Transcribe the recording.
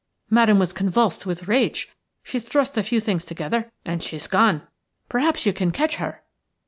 Madame was convulsed with rage. She thrust a few things together and she's gone. Perhaps you can catch her."